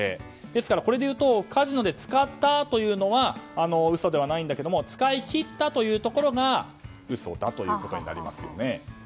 ですから、これによるとカジノで使ったというのは嘘ではないんだけども使い切ったというところが嘘だということになりますよね。